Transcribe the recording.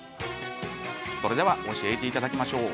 それでは教えていただきましょう。